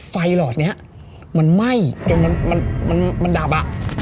หลอดนี้มันไหม้จนมันดับอ่ะ